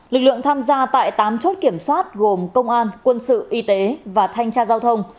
lực lượng tham gia tại tám chốt kiểm soát gồm công an quân sự y tế và thanh tra giao thông